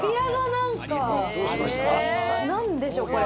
なんでしょうこれ。